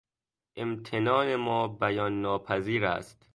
امتنان ما بیان ناپذیر است.